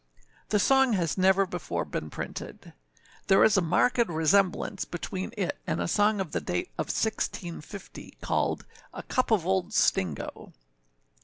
The song has never before been printed. There is a marked resemblance between it and a song of the date of 1650, called A Cup of Old Stingo.